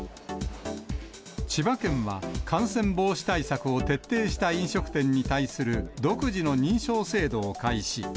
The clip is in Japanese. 千葉県は、感染防止対策を徹底した飲食店に対する独自の認証制度を開始。